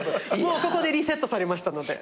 もうここでリセットされましたので。